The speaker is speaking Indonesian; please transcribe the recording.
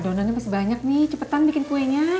adonannya pasti banyak nih cepetan bikin kuenya